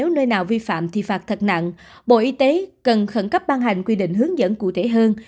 và vi phạm thi phạt thật nặng bộ y tế cần khẩn cấp ban hành quy định hướng dẫn cụ thể hơn